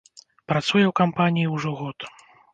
Працуе ў кампаніі ўжо год.